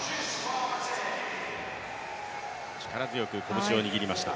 力強く拳を握りました。